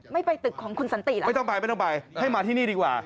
ไม่ไปตึกของคุณสันติล่ะไม่ต้องไปให้มาที่นี่ดีกว่า